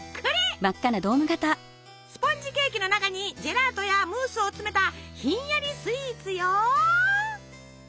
スポンジケーキの中にジェラートやムースを詰めたひんやりスイーツよ！